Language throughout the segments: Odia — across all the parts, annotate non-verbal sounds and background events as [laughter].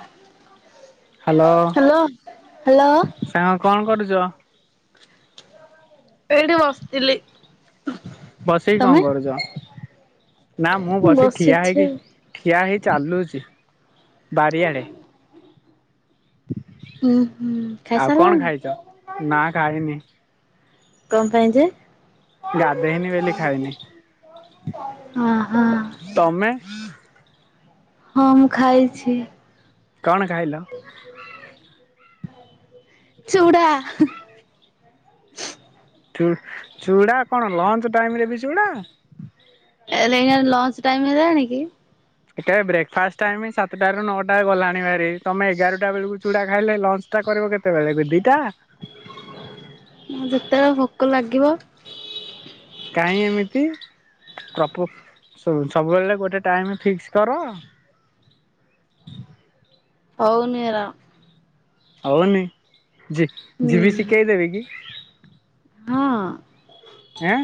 [inaudible] Hello hello hello. [inaudible] ସାଙ୍ଗ କଣ କରୁଛ। [inaudible] ଏଇଠି ବସିଥିଲି। ବସିକି କଣ ତମେ କରୁଛ ନା ମୁଁ ବସିି ଠିଆ ବସିଛି ହେଇକି ଆଉ ଠିଆ ହେଇ ଚାଲୁଛି। ବାରିଆଡେ। ଉଁ ହୁଁ [inaudible] ଆଉ କଣ ଖାଇସାରିଲଣି? ଖାଇଛ ନା ଖାଇନି। କଣ ପାଇଁ ଯେ ଗାଧେଇନି ବୋଲି ଖାଇନି ଓହୋ ତମେ ହ ଖାଇଛି। କଣ କହିଲ ଚୁଡ଼ା ଚୁଡ଼ା କଣ ଲଞ୍ଚ ଟାଇମ ରେ ବି ଚୁଡ଼ା ଲଞ୍ଚ ଟାଇମ ହେଲାଣି କି? ଏଟା ବ୍ରେକ୍ଫାଷ୍ଟ ଟାଇମ ସାତଟାରୁ ନଅଟା ଗଲାଣି ଭାରି ତମେ ଏଗାରଟା ବେଳକୁ ଚୁଡା ଖାଇଲେ ଲଞ୍ଚ ଟା କରିବ କେତେବେଳେ ଦିଟା ଯେତେବେଳେ ଭୋକ ଲାଗିବ। କାହିଁ ଏମିତି ସବୁବେଳେ ଗୋଟେ ଟାଇମ ଫିକ୍ସ କର ହଉନରା। ହଉନି। ଜ ଜ ବି ସି କେହି ଦେବେ କି? ହଁ। ଆଁ।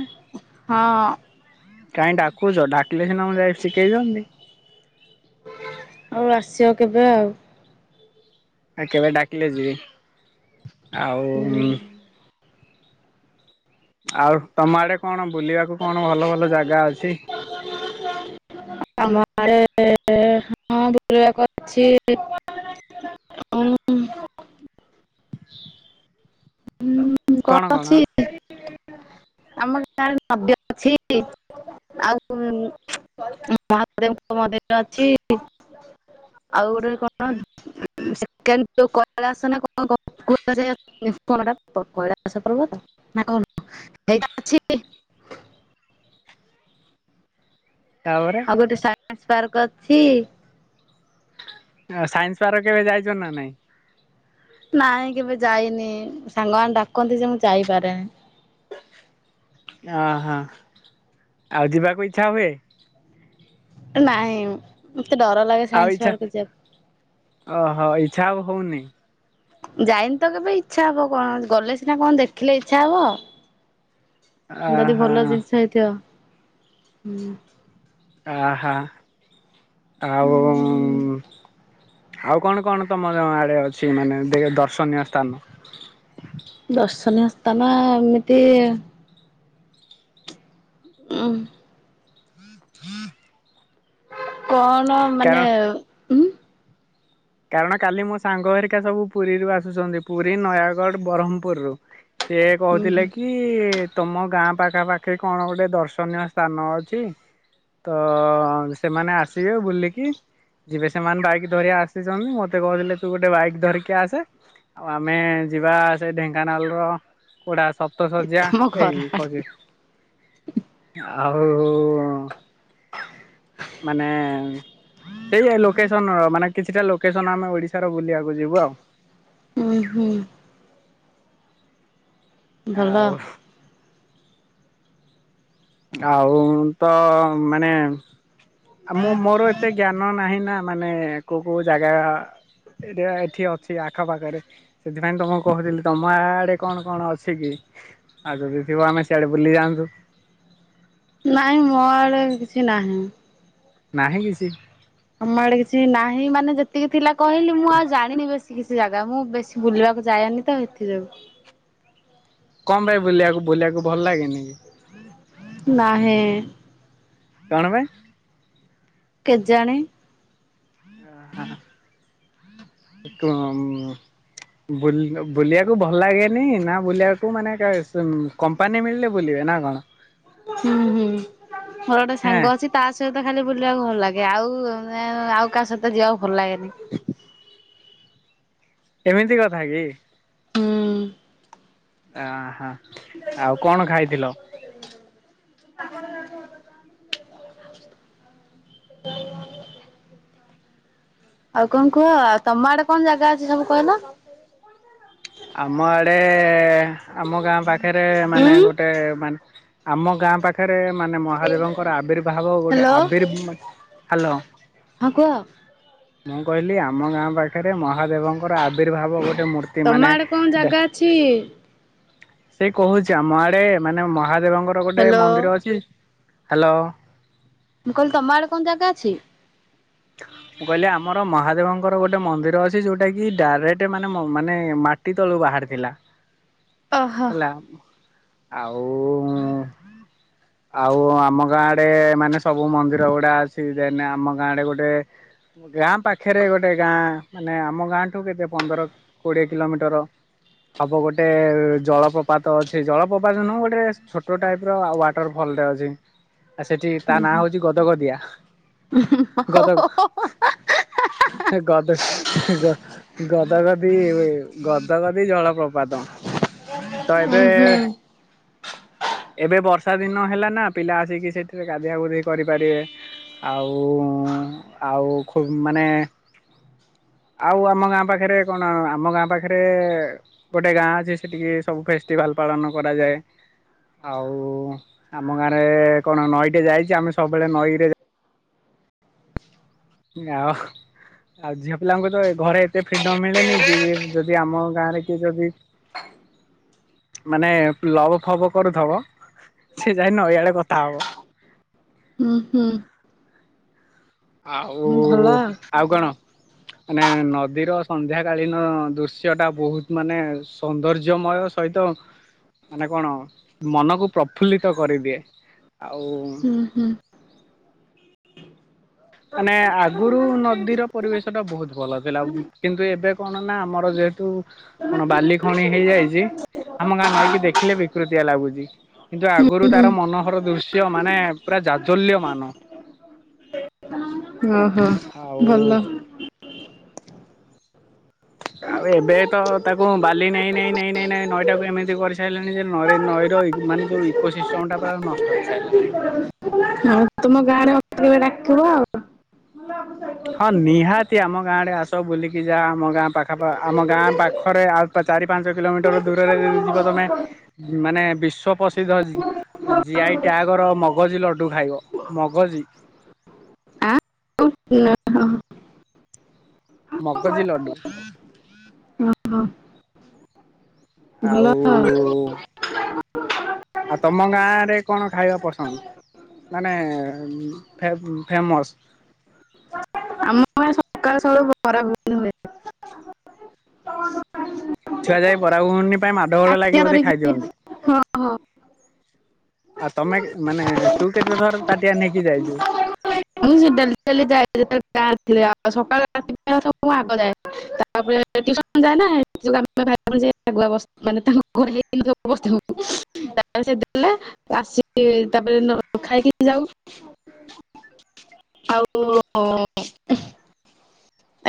ହଁ। କାଇହିଁ ଡାକୁଛ ଡାକିଲେ ସିନା ମୁ ଯାଇ ଶିଖେଇ ଦିଅନ୍ତି। ଆଉ ଆସିବ କେବେ ଆଉ ଆଉ କେବେ ଡାକିଲେ ଯିବି। ଆଉ ହୁଁ। ଆଉ ତମ ଆଡେ କଣ ବୁଲିବାକୁ କଣ ଭଲ ଭଲ ଜାଗା ଅଛି। ସେ [unintelligible] ଆମ ହଁ ବୁଲିବାକୁ ଅଛି [unintelligible] [inaudible] ହୁଁ କଣ ଅଛି [unintelligible] ଆମ ଗାଁରେ ନଦ୍ୟ ଅଛି ଆଉ ମହାଦେବଙ୍କ ମନ୍ଦିର ଅଛି ଆଉ ଗୋଟେ କଣ ତାପରେ ଆଗୋ ଟ୍ରାନ୍ସପାର୍କ ଅଛି। [unintelligible] ନାଇଁ କେବେ ଯାଇନି ସାଙ୍ଗ ମାନେ ଡାକନ୍ତି ଯେ ମୁଁ ଯାଇପାରେନି। ଅହୋ ଆଉ ଯିବାକୁ ଇଚ୍ଛା ହୁଏ। ନାଇଁ। ଡର ଲାଗେ ସାଇନ୍ସ ପାର୍କ ଯିବାକୁ [unintelligible] ଯାଇନି ତ କେବେ ଇଚ୍ଛା ହବ କଣ ଗଲେ ସିନା କଣ ଦେଖିଲେ ଇଚ୍ଛା ହବ। ଯଦି ଓହୋ ଭଲ ଜିନିଷ ହେଇଥିବ। ହୁଁ [unintelligible] ଅହ। ଆଉ ଆଉ କଣ କଣ ତମ ଆଡେ ଅଛି ମାନେ ଦେ ଦର୍ଶନୀୟ ସ୍ଥାନ। [unintelligible] ଓ [unintelligible] ହ [unintelligible] କଣ ମାନେ ହଁ କାରଣ କାଲି ମୋ ସାଙ୍ଗ ହେରିକା ସବୁ ପୁରୀରୁ ଆସୁଛନ୍ତି ପୁରୀ ନୟାଗଡ ବ ସେି ହୁଁ କହୁଥିଲେ ହୁଁ କି ତମ ଗାଁ ପାଖାପାଖି କଣ ଗୋଟେ ଦର୍ଶନୀୟ ସ୍ଥାନ ଅଛି ତ ସେମାନେ ଆସିବେ ବୁଲିକି ମତେ କହୁଥିଲେ ତୁ ଗୋଟେ ବାଇକ ଗଡା ସପ୍ତ ଶଯ୍ୟା ତମ ଏଇ ଘର ଆଡେ କଛି ଆଉ ମାନେ ସେଇ ଲୋକେସନ ର ମାନେ କିଛିଟା ଲୋକେସନ ଆମେ ଓଡିଶାର ବୁଲିବାକୁ ଯିବୁ ଆଉ ହୁଁ ହୁଁ ଭଲ ଆଉ। ଆଉ ତ ମାନେ ଆଉ ମୁଁ ମୋର ଏତେ ଜ୍ଞାନ ନାହିଁ ନା ମାନେ କୋଉ କୋଉ ଜାଗା ଏଠି ଅଛି ଆଖ ନହିଁ ମୋ ଆଡେ କିଛି ନାହି। ନାହିଁ କିଛି ଆମ ଆଡେ କିଛି ନାହିଁ। ମାନେ ଯେତିକି ଥିଲା କହିଲି ମୁଁ ଆଉ ଜାଣିନି ବେଶି। କି କିଛି ଜାଗା। ମୁଁ ବେଶୀ ବୁଲିବାକୁ ଯାଏନି ତ ଏଥି ଯୋଗୁ। କମ ପାଇଁ ବୁଲିବାକୁ ବୁଲିବାକୁ ଭଲ ଲାଗେନି କି। ନାହିଁ। କଣ ପାଇଁ। କେଜାଣି। [unintelligible] ବୁଲିବାକୁ ଭଲ ଲାଗେନି ନା ବୁଲିବାକୁ ମାନେ କମ୍ପାନୀ ମିଳିଲେ ବୁଲିବେ ନା କଣ। ହୁଁ ହୁଁ। ମୋର ଗୋଟେ ହେଁ ସାଙ୍ଗ ଅଛି ତା ସହିତ ଖାଲି ବୁଲିବାକୁ ଭଲ ଲାଗେ। ଆଉ ଆଉ କାହା ସହିତ ଯିବାକୁ ଭଲ ଲାଗେନି। ଏମିତି କଥା କି। ହୁଁ। ଅ ହ। ଆଉ କଣ ଖାଇଥିଲ। ଆଉ କଣ କୁହ। ଆଉ ତମ ଆଡେ କଣ ଜାଗା ଅଛି ସବୁ କହିଲ। ଆମ ଆଡେ। ଆମ ଗାଁ ପାଖରେ ଉଁ ମାନେ ଗୋଟେ ମାନେ ଆମ ଗାଁ ପାଖରେ ଗୋଟେ ମାନେ ମହାଦେବଙ୍କର ଆବିର୍ଭାବ ଗୋଟେ ହ୍ୟାଲୋ ଆବିର୍ ହାଲୋ। ହଁ କୁହ। ମୁଁ କହିଲି ଆମ ଗାଁ ପାଖରେ ମ ମହାଦେବଙ୍କର ଆବିରର୍ଭାବ ଗୋଟେ ମୂର୍ତ୍ତି ତମ ମାନେ ଆଡେ କଣ ଜାଗା ଅଛି? ସେ କହୁଛି ଆମ ଆଡେ ମାନେ ମହାଦେବଙ୍କ ହାଦେବଙ୍କର ଗୋଟେ ହ୍ୟାଲୋ ମନ୍ଦିର ଅଛି ହ୍ୟାଲୋ। ମୁଁ କହିଲି ତମ ଆଡେ କଣ ଜାଗା ଅଛି? ମୁଁ କହିଲି ଆମର ମହାଦେବଙ୍କର ଗୋଟେ ମନ୍ଦିର ଅଛି। ଯୋଉଟା କି ଡାଇରେକ୍ଟ ମାନେ ମାନେ ମାଟି ତଳୁ ବାହାରିଥିଲା। ଓହୋ। ହେଲା। ଆଉ। ଆଉ ଆମ ଗାଁଡେ ମାନେ ସବୁ ମନ୍ଦିର ଗୁଡା ଅଛି। ଦେନ ଆମ ଗାଁ ଆଡେ ଗୋଟେ ଟେ ଗ୍ରାମ ପାଖରେ ଗୋଟେ ଗାଁ ମାନେ ଆମ ଗାଁଠୁ କେତେ ପନ୍ଦର କୋଡିଏ କିଲୋମିଟର ହବ ଗୋଟେ ଜଳପ୍ରପାତ ଅଛି। ଜଳପ୍ରପାତ ନୁହଁ ଗୋଟେ ଛୋଟ ଟାଇପ୍ ର ୱାଟର ଫଲ ଅ [unintelligible] ଆ ସେଠି ତା ନାଁ ହଉଛି ଗଦଗଦିଆ। ଉଁ ହୁଁ ହୁଁ ଗଦ ଗଦ ଗଦଗଦି ଗ ଗଦଗଦି ଜଳ ପ୍ରପାତ। ତ ଏବେ ହୁଁ। ଭଲ। ଏବେ ବର୍ଷା ଦିନ ହେଲା ନା ପିଲା ଆସିକି ସେଠରେ ଗାଧିଆଗୁଧି କରିପାରିବେ ଆଉ ଆଉ ଖୁବ ମାନେ ଆଉ ଆମ ଗାଁ ପାଖରେ କଣ ଆମ ଗାଁ ପାଖରେ ଗୋଟେ ଗାଁ ଅଛି ସେଠିକି ସବୁ ଫେଷ୍ଟିଭାଲ ପାଳନ କରାଯାଏ ଆଉ ଆମ ଗାଁରେ କଣ ନଈଟେ ଯାଇଛି ଆମେ ସବୁବେଳେ ନଈରେ ଆଉ ଆଉ ଝିଅ ପିଲାଙ୍କୁ ତ ଘରେ ଏତେ ଫ୍ରିଡମ ମିଳେନି ଯଏ ଯଦି ଆମ ଗାଁରେ କିଏ ଯଦି ମାନେ ଲଭ ଫବ କରୁଥବ ସେ ଯାଇ ନ ଏଆଡେ କଥା ହବ। ହୁ ହୁ। ଆଉ ଆଉ କଣ ମାନେ ନଦୀର ସନ୍ଧ୍ୟା କାଳୀନ ଦୃଶ୍ୟ ଟା ବହୁତ ମାନେ ସୌନ୍ଦର୍ଯ୍ୟମୟ ସହିତ ମାନେ କଣ ମନକୁ ପ୍ରଫୁଲ୍ଲିତ କରିଦିଏ। ଆଉ। ହୁଁ ହୁଁ। [inaudible] ମାନେ ଆଗରୁ ଆରୁ ନଦୀର ପରିବେଶ ଟା ବହୁତ ଭଲ ଥିଲା କିନ୍ତୁ ଏବେ କଣ ନା ଆମର ଯେହେତୁ କଣ ବାଲି ଖଣି ହେଇଯାଇଛି ଆମ ଗାଁ ନଈକି ଦେଖିଲେ ବିକୃତିଆ ଲାଗୁଛି। କିନ୍ତୁ ଆଗରୁ ହୁଁ ତାର ମନୋହର ଦୃଶ୍ୟ କ ମାନେ ପୁରା ଜାଜଲ୍ୟ ମାନ। ଓହୋ ଆଉ ଭଲ। ଆଉ ଏବେ ତ ତାକୁ ବାଲି ନାଇଁ ନାଇଁ ନାଇଁ ନାଇଁ ନାଇଁ ନଈଟାକୁ ଏମିତି କରିସାରିଲାଣି ଯେ ନଈ ନଈର ମାନେ ଯୋଉ ଇକୋ ସିଷ୍ଟମଟା ପୁରା ନଷ୍ଟ ହେଇସାଇଲାନାଇ। ହଁ ତମ ଗାଁରେ କେବେ ଡାକିବ ଆଉ। ହଁ ନିହାତି ଆମ ଗାଁର ଆଡେ ଆସ ବୁଲିକି ଯାହା ଆମ ଗାଁ ପାଖ ଆମ ଗାଁ ପାଖରେ ଆଉ ଚାରି ପାଞ୍ଚ କିଲୋମିଟର ଦୂରରେ ଯଦି ଯିବ ତମେ ମାନେ ବିଶ୍ଵ ପ୍ରସିଦ୍ଧ ଜିଆଇ ଟ୍ୟାଗର ମଗଜି ଲଡୁ ଖାଇବ ମଗଜି ନା ହଁ। ମଗଜି ଲଡୁ। ଆଉ ଆଉ ତମ ଗାଁରେ କଣ ଖାଇବା ପସନ୍ଦ ମାନେ ଫେ-ଫେମସ? ସକାଳ ସବୁ ବରା ଭୁବୁନି ହୁଏ। ଛୁଆ ଯାଇ ବରା ଘୁଗୁନି ପାଇଁ ମାଡ ଗୋଳ ଲାଗି ତାଟିଆ ବୋଧେ ଖାଇ ଧରିକି ଦିଅନ୍ତି। ହଁ ହଁ ଆଉ ତମେ ମାନେ ତୁ କେତେ ଥର ତାଟିଆ ନେଇକି ଯାଇଛୁ? ମୁଁ ଡେଲି ଡେଲି ଯାଏ ଯେତେବେଳେ ଗାଁରେ ଥିଲେ ବାପା ସକାଳୁ [unintelligible] ଆଗ ଯାଏ ତାପରେ ଟିଉସନ୍ ଯାଏ ନା [unintelligible] ଆମେ ଭାଇ ଭଉଣୀ ଯାଇ ଆଗୁଆ ବସି ତାଙ୍କ ଘରେ ହେଇନଥିବ ବସିଥିବୁ [unintelligible] ଆସିକି ତାପରେ ଖାଇକି ଯାଉ। ଆଉ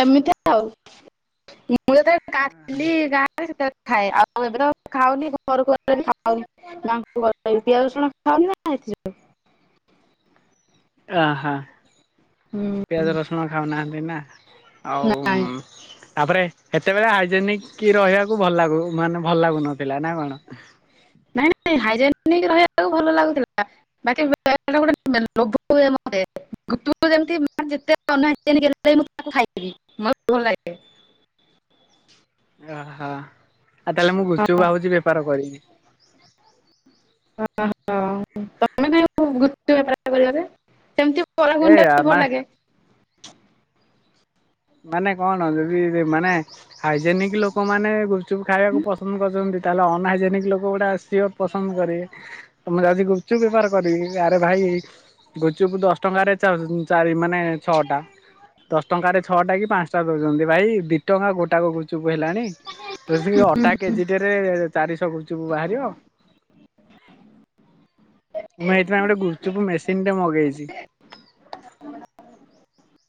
ଏମିତି ଆଉ ମୁଁ [unintelligible] ଗାଁରେ ସେତେ ଖାଏ ଆଉ ଏବେ ତ ଖାଉନି ଘରକୁ [unintelligible] ଖାଉନି [unintelligible] ପିଆଜ ରସୁଣ ଖାଉନି ନା ଏଥି ଆହାଁ ପିଆଜ ରସୁଣ ଖାଉନାହାନ୍ତି ନା। ଆଉ ଉଁ ନାଇଁ ତାପରେ ସେତେବେଳେ ହାଇଜେନିକ କି ରହିଆକୁ ଭଲ ଲାଗୁ ମାନେ ଭଲ ଲାଗୁନଥିଲା ନା କଣ? ନାଇଁ ନାଇଁ ହାଇଜେନିକ ରହିବାକୁ ଭଲ ଲାଗୁଥିଲା ବାକି ଗୋଟେ [unintelligible] ଲୋଭ ହୁଏ ମତେ ଯେମତି [unintelligible] ଖାଇବି ମତେ ଭଲ ଲାଗେ। ଓହୋ ଆଉ ତାହେଲେ ମୁଁ ଗୁପଚୁପ ଭାବୁଛି ବେପାର କରିବି। ହଁ ହଁ। [unintelligible] ସେମତି [unintelligible] ଟା ବି ଏ ଭଲ ମା ଲାଗେ। ମାନେ କଣ ଯଦି ମାନେ ହାଇଜେନିକ ଲୋ ଲୋକମାନେ ଗୁପଚୁପ୍ ଖାଇବାକୁ ପସନ୍ଦ କରୁଛନ୍ତି ତାହେଲେ ଅନହାଇଜେନିକ ଲୋକ ଗୁଡା ସିଓର ପସନ୍ଦ କରିବେ ତ ମୁଁ ଯାଉଚି ଗୁପଚୁପ ବେପାର କରିବି ଆରେ ଭାଇ ଗୁପଚୁପ୍ ଦଶ ଟଙ୍କାରେ ଚା-ଚାରି ମାନେ ଛଅଟା ଦଶ ଟଙ୍କାରେ ଛଅଟା କି ପାଞ୍ଚଟା ଦଉଛନ୍ତି। ଭାଇ ଦି ଟଙ୍କା ଗୋଟାକ ଗୁପଚୁପ ହେଲାଣି ଯୋଉଠିକି ହୁଁ ଅଟା କେଜି ଟେରେ ଚାରିଶହ ଗୁପଚୁପ ବାହାରିବ। ମୁଁ ଏଇଥିପାଇଁ ଗୋଟେ ଗୁପଚୁପ ମେସିନଟେ ମଗେଇଚି।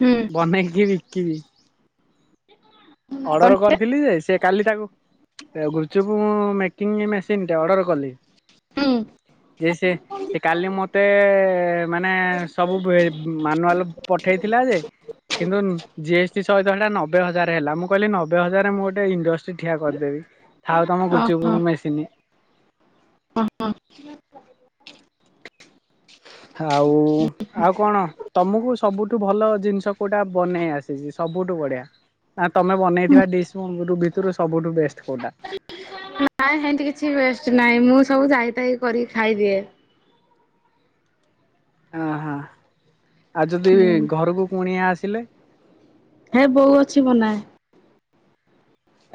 ହୁଁ ବନେଇକି ବି କିବି ଅର୍ଡର କଣଟେ? କରିଥିଲି ଯେ ସେ କାଲି ତାକୁ ଗୁପଚୁପ ଉଁ ମେକିଂ ମେସିନଟେ ଅର୍ଡ଼ର କଲି। ହୁଁ ଯେ ସେ ସେ କାଲି ମତେ ମାନେ ସବୁ ବେ ମାନୁଆଲ ପଠେଇଥିଲା ଯେ କିନ୍ତୁ ଜି ଏସ୍ ଟି ସହିତ ସେଟା ନବେ ହଜାର ହେଲା ମୁଁ କହିଲି ନବେ ହଜାରରେ ମୁଁ ଗୋଟେ ଇଣ୍ଡଷ୍ଟି ଠିଆ କରିଦେବି। ଥାଉ ତମ ଗୁଚୁପ ଓହୋ ମେସିନି। [unintelligible] ଆଉ ଆଉ କଣ ତମକୁ ସବୁଠୁ ଭଲ ଜିନିଷ କୋଉଟା ବନେଇ ଆସିଛି ସବୁଠୁ ବଢିଆ ନା ତମେ ବନେଇଥିବା ଡିସ୍ ଭିତରୁ ସବୁଠୁ ବେଷ୍ଟ କୋଉଟା ନାଇଁ ସେମତି କିଛି ବେଷ୍ଟ ନାଇଁ ମୁଁ ସବୁ ଯାଇଥ କରି ଖାଇଦିଏ ଓ ହୋ। ଆଉ ଯଦି ହୁଁ ଘରକୁ ପୁଣିଆ ଆସ। ସିଲ। ହେ ବୋଉ ଅଛି ମନାେ।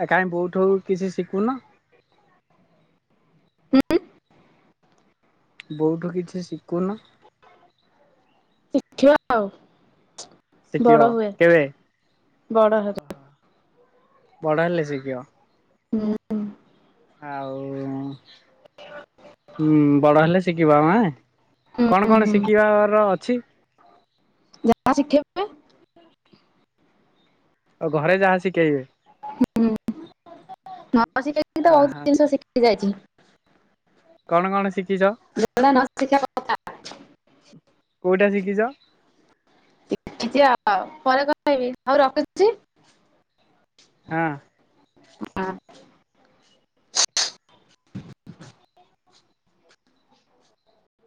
ଏା ବୋଉଠୁ କିଛି ଶିଖୁନ। ବୋଉଠୁ କିଛି ଶିଖୁନ। ଶିଖିବା ଆଉ ଶିଖିବ ବଡ ହୁଏ କେବେ? ବଡ ହ ବଡ଼ ହେଲେ ଶିକିିବା। ଆଉ ବଡ ହେଲେ ଶିଖିବା ଆଁ କଣ ହୁଁ କଣ ହୁଁ ଶିଖିବାର ଅଛି। ଯାହା ଶିଖିବା। ଆଉ ଘରେ ଯାହା ଶିଖେଇବେ ନ ଶିଖେଇକି ତ ବହୁତ ଆହା ଜିନିଷ ଶିଖି ଯାଇଛି। କଣ କଣ ଶି ଜ କ କିଛି କୋଉଟା ଶିଖିଛ ପରେ କଣେଇବି ଆଉ ରଖିଛି। ହଁ। ହଁ।